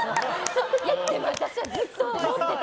でも私はずっと思ってた。